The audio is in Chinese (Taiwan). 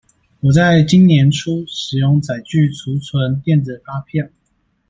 我在今年初使用載具儲存電子發票